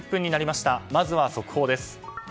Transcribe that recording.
まずは速報です。